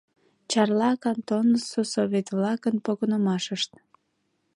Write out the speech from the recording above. ЧАРЛА КАНТОНЫСО СОВЕТ-ВЛАКЫН ПОГЫНЫМАШЫШТ